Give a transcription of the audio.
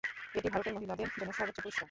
এটি ভারতের মহিলাদের জন্য সর্বোচ্চ পুরস্কার।